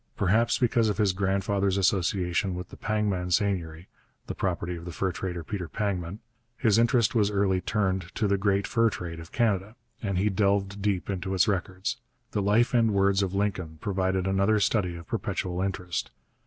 Perhaps because of his grandfather's association with the Pangman seigneury (the property of the fur trader Peter Pangman), his interest was early turned to the great fur trade of Canada, and he delved deep into its records. The life and words of Lincoln provided another study of perpetual interest.